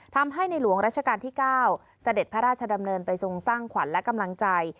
ทำให้ในหลวงราชการที่๙เสด็จพระราชดำเนินไปทรงสร้างขวัญและกำลังใจ